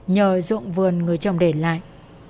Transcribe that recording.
nhờ ruộng vườn người chồng để lại